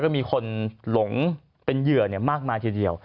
ก็มีคนหลงเป็นเหยื่อมากมายทีเดียว